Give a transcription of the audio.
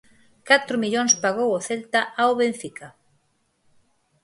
Catro millóns pagou o Celta ao Benfica.